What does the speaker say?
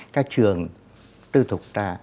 các trường tư thuộc ta